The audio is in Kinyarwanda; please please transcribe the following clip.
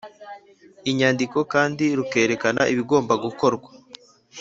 Nyandiko kandi rukerekana ibigomba gukorwa